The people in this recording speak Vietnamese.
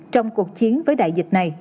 trong cuộc chiến với đại dịch này